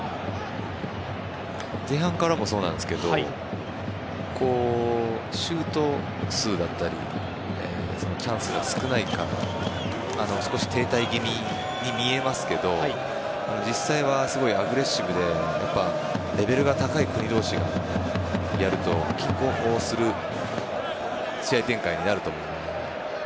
前半からもそうなんですけどシュート数だったりチャンスが少ないから少し停滞気味に見えますけど実際はすごいアグレッシブでレベルが高い国同士がやると拮抗する試合展開になると思うので。